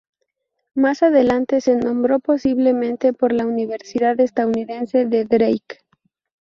Más adelante se nombró posiblemente por la universidad estadounidense de Drake.